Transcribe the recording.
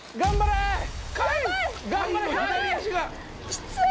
きつい！